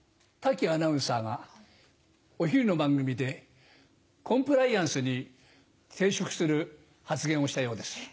滝アナウンサーがお昼の番組でコンプライアンスに抵触する発言をしたようです。